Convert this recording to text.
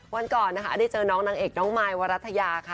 วันก่อนนะคะได้เจอน้องนางเอกน้องมายวรัฐยาค่ะ